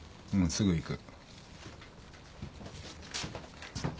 すぐ行く。